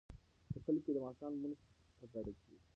په کلي کې د ماښام لمونځ په ګډه کیږي.